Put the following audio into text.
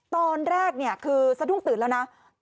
ตั้งแต่วันแรกสักทุ่งตื่นแล้วนะ